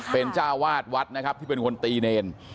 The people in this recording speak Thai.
เป็นเจ้าวาดวัดนะครับที่เป็นคนตีเนร